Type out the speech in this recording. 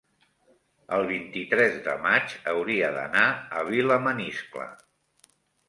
el vint-i-tres de maig hauria d'anar a Vilamaniscle.